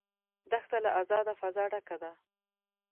دښته له آزاده فضا ډکه ده.